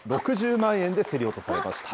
６０万円で競り落とされました。